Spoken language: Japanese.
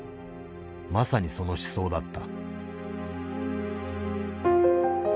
まさにその思想だった。